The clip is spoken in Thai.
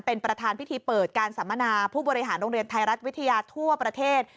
เป็นประธานพิธีเปิดการสัมมนาผู้บริหารโรงเรียนไทยรัฐวิทยาทั่วประเทศ